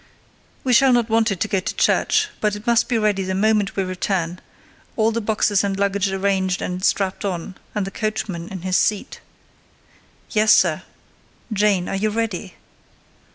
"We shall not want it to go to church; but it must be ready the moment we return: all the boxes and luggage arranged and strapped on, and the coachman in his seat." "Yes, sir." "Jane, are you ready?"